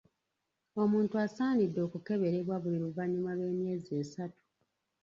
Omuntu asaanidde okukeberebwa buli luvannyuma lw’emyezi esatu.